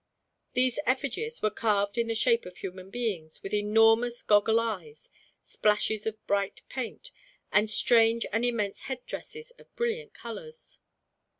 These effigies were carved in the shape of human beings, with enormous goggle eyes, splashes of bright paint, and strange and immense headdresses of brilliant colors.